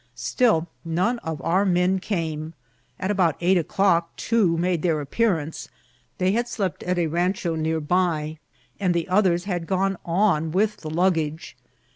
Still none of our men came. At about eight o'clock two made their appearance ; they had slept at a rancho near by, and the others had gone on with the luggage.